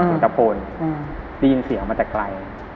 เพลงจับโฟนได้ยินเสียงมาจากไกล